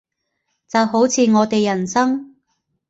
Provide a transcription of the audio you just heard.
就好似我哋人生